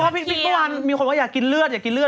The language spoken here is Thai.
ก็เค้าะปีก่อนมีคนว่าอยากกินเลือดอยากกินเลือด